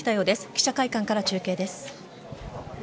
記者会館から中継です。